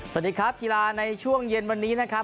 สวัสดีครับกีฬาในช่วงเย็นวันนี้นะครับ